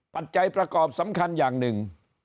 ปัจจัยประกอบสำคัญอย่างหนึ่ง